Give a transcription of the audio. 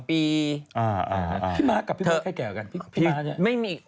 พี่ม้ากับพี่ม้าใช่แก่นะ